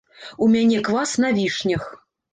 У мяне квас на вішнях.